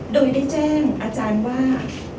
โดยได้แจ้งอาจารย์ว่า